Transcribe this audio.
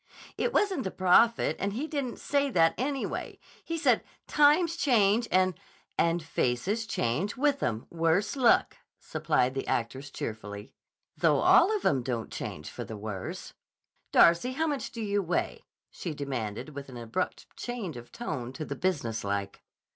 "It wasn't the prophet, and he didn't say that, anyway. He said, 'Times change, and—" "—and faces change with 'em, worse luck!" supplied the actress cheerfully. "Though all of 'em don't change for the worse. Darcy, how much do you weigh?" she demanded with an abrupt change of tone to the business like.